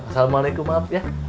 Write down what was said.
assalamu'alaikum maaf ya